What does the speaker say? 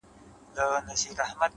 چي بیا به څه ډول حالت وي، د ملنگ،